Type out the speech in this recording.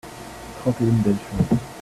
trente et une belles choses.